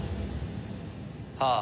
ああ。